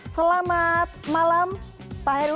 selamat malam pak heru